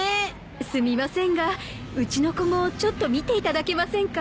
すみませんがうちの子もちょっと見ていただけませんか？